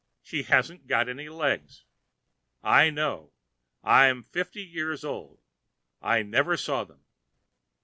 She hasn't got any legs. I know it. I'm fifty years old. I never saw them."